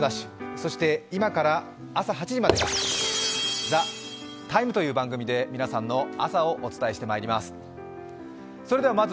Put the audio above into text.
そして今から朝８時までが「ＴＨＥＴＩＭＥ，」という番組で皆さんの朝をお伝えしてまいります。